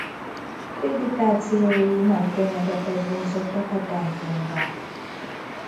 Prédikációi nagy tömegeket vonzottak a templomba.